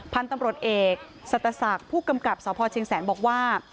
พันธุ์ตำรวจเอกสัตศักดิ์ผู้กำกับสพเชียงแสนบอกว่า